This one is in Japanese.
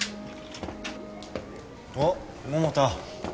おっ桃田！